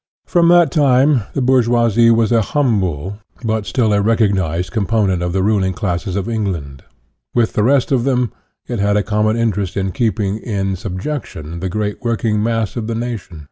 From that time, the bourgeoisie was a hum ble, but still a recognized component of the rul ing classes of England. With the rest of them, 3O INTRODUCTION it had a common interest in keeping in sub jection the great working mass of the nation.